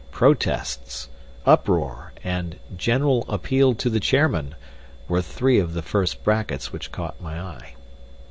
"Protests," "Uproar," and "General appeal to the Chairman" were three of the first brackets which caught my eye.